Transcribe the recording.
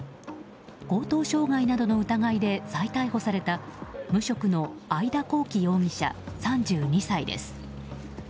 強盗傷害などの疑いで再逮捕された無職の会田幸樹容疑者３２歳です。